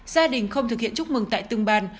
gia đình không thực hiện chúc mừng tại từng bàn